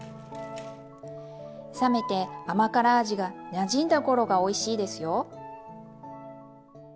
冷めて甘辛味がなじんだ頃がおいしいですよ。